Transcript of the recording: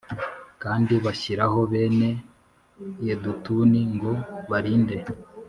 Kandi bashyiraho bene yedutuni ngo barinde